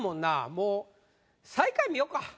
もう最下位見よか。